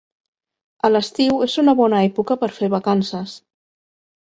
A l'estiu és una bona època per fer vacances.